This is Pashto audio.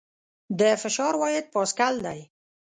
د فشار واحد پاسکل دی.